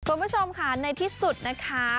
คุณผู้ชมค่ะในที่สุดนะคะ